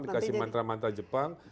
dikasih mantra mantra jepang